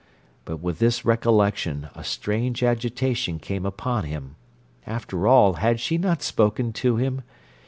But with this recollection a strange agitation came upon him. After all, had she not spoken to him?